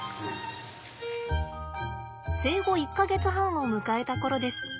生後１か月半を迎えたころです。